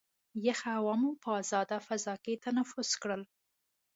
یخه هوا مو په ازاده فضا کې تنفس کړل.